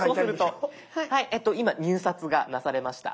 今入札がなされました。